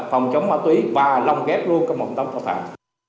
phòng chống hóa túy và lòng ghép luôn công tác tội phạm